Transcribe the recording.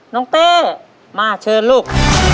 น้องเต้มาเชิญลูก